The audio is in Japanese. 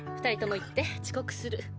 ２人とも行って遅刻する。